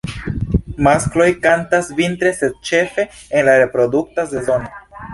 Maskloj kantas vintre sed ĉefe en la reprodukta sezono.